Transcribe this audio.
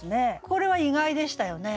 これは意外でしたよね。